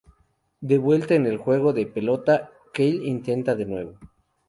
De vuelta en el juego de pelota, Kyle intenta de nuevo.